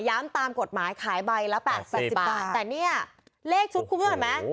ย้ำตามกฎหมายขายใบละ๘๐บาทแต่เนี่ยเลขชุดคุณเหมือนไหม